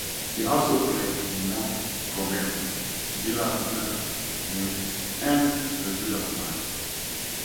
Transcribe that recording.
He also played in Mont Gomery, Villa Vina, Limbs and The Judas Knife.